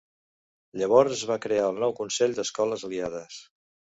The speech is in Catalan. Llavors es va crear el nou Consell d'Escoles Aliades.